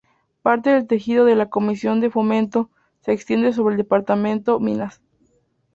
Parte del tejido de la comisión de fomento, se extiende sobre el Departamento Minas.